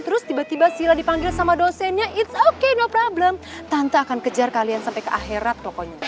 terus tiba tiba sila dipanggil sama dosennya it's okay no problem tante akan kejar kalian sampai ke akhirat pokoknya